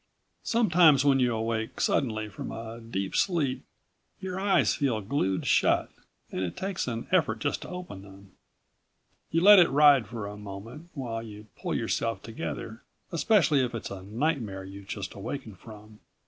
Sometimes when you awake suddenly from a deep sleep your eyes feel glued shut, and it takes an effort just to open them. You let it ride for a moment, while you pull yourself together ... especially if it's a nightmare you've just awakened from.